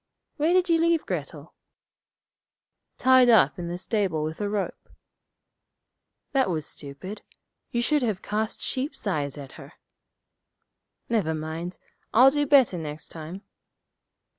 'Where did you leave Grettel?' 'Tied up in the stable with a rope.' 'That was stupid. You should have cast sheep's eyes at her.' 'Never mind; I'll do better next time.'